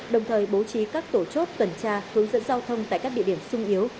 đồng thời bố trí các tổ chốt tuần tra hướng dẫn giao thông tại các địa điểm sung yếu